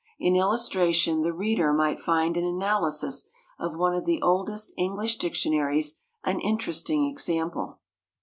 In illustration the reader might find an analysis of one of the oldest English dictionaries an interesting example.